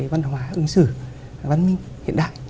văn hóa ứng xử văn minh hiện đại